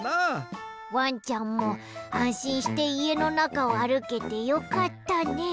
わんちゃんもあんしんしていえのなかをあるけてよかったね。